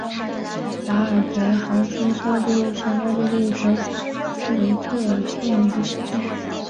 瓦尔德豪森是奥地利下奥地利州茨韦特尔县的一个市镇。